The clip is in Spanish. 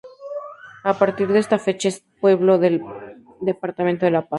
A partir de esta fecha es pueblo del departamento de La Paz.